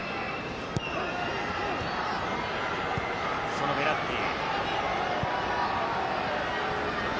そのベッラッティ。